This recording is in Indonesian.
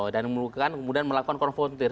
dan kemudian melakukan confoundir